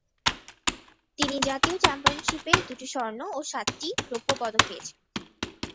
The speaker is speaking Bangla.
তিনি জাতীয় চ্যাম্পিয়নশিপে দুটি স্বর্ণ ও সাতটি রৌপ্য পদক পেয়েছেন।